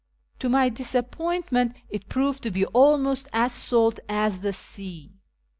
To my disappointment it proved to be almost as salt as the sea.